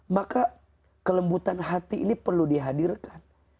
maka kelembutan hati ini perlu dihadirkan